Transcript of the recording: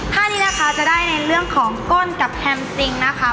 ถ้านี้นะคะจะได้ในเรื่องของก้นกับแฮมซิงนะคะ